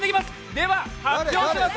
では発表します。